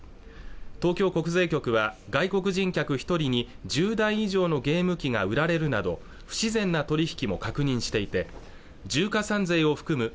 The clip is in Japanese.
東京国税局は外国人客一人に１０台以上のゲーム機が売られるなど不自然な取り引きも確認していて重加算税を含む